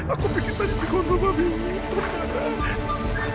aku begitu tadi di gondol babi hutan barah